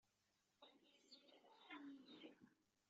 Argaz-nni d afuḥan n yimi.